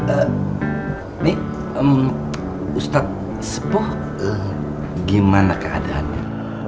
ehm ini emm ustadz sepoh gimana keadaannya